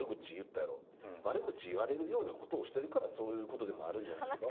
悪口言われるような事をしてるからそういう事になるんじゃないですか？